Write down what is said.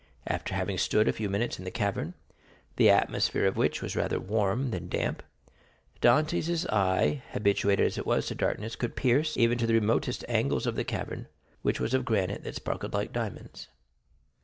After having stood a few minutes in the cavern, the atmosphere of which was rather warm than damp, Dantès' eye, habituated as it was to darkness, could pierce even to the remotest angles of the cavern, which was of granite that sparkled like diamonds.